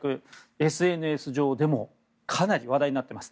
ＳＮＳ上でもかなり話題になっています。